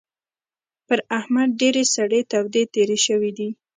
پر احمد ډېرې سړې تودې تېرې شوې دي.